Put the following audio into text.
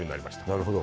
なるほど。